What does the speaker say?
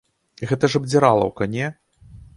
Гэта ж абдзіралаўка, не?